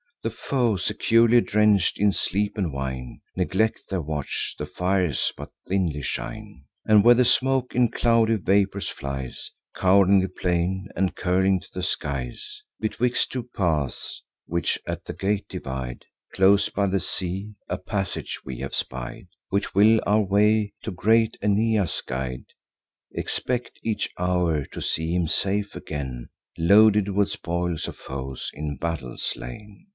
The foe, securely drench'd in sleep and wine, Neglect their watch; the fires but thinly shine; And where the smoke in cloudy vapours flies, Cov'ring the plain, and curling to the skies, Betwixt two paths, which at the gate divide, Close by the sea, a passage we have spied, Which will our way to great Aeneas guide. Expect each hour to see him safe again, Loaded with spoils of foes in battle slain.